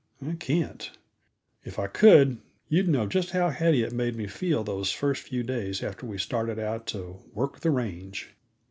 I can't. If I could, you'd know just how heady it made me feel those first few days after we started out to "work the range."